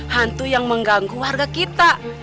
hantu yang mengganggu warga kita